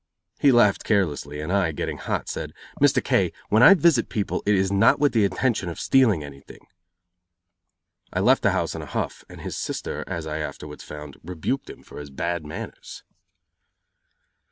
He laughed carelessly and I, getting hot, said: "Mr. K when I visit people it is not with the intention of stealing anything." I left the house in a huff and his sister, as I afterwards found, rebuked him for his bad manners.